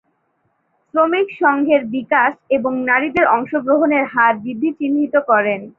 শ্রমিক সংঘের বিকাশ এবং নারীদের অংশগ্রহণের হার বৃদ্ধি চিহ্নিত করেন।